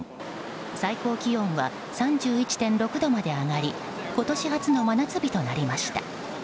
最高気温は３１．６度まで上がり今年初の真夏日となりました。